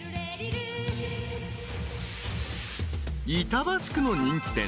［板橋区の人気店］